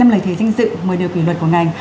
năm lời thề danh dự một mươi điều quy luật của ngài